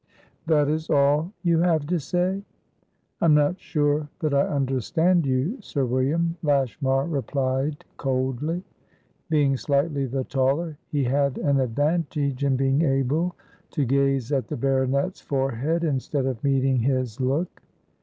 "That is all you have to say?" "I am not sure that I understand you, Sir William," Lashmar replied coldly. Being slightly the taller, he had an advantage in being able to gaze at the baronet's forehead instead of meeting his look.